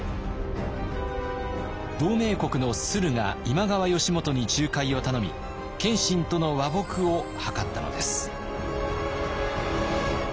同盟国の駿河今川義元に仲介を頼み謙信との和睦をはかったのです。